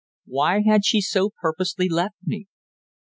Why had she so purposely left me?